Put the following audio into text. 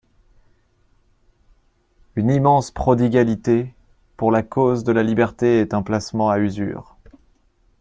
«Une immense prodigalité pour la cause de la liberté est un placement à usure.